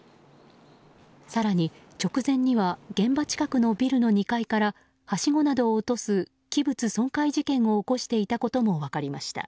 更に、直前には現場近くのビルの２階からはしごなどを落とす器物損壊事件を起こしていたことも分かりました。